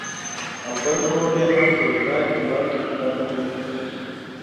او بل ورور یې هم په عراق هېواد کې په دنده بوخت و.